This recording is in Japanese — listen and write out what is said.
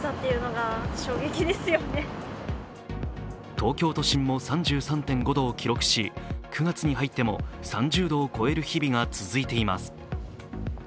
東京都心も３３．５度を記録し９月に入っても３０度を超える日々が続いています。